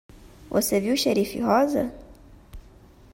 Você viu xerife rosa?